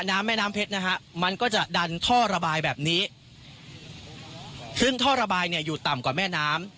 แม่น้ำเพชรนะฮะมันก็จะดันท่อระบายแบบนี้ซึ่งท่อระบายเนี่ยอยู่ต่ำกว่าแม่น้ำ